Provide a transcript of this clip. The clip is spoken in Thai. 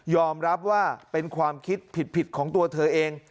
รับว่าเป็นความคิดผิดของตัวเธอเอง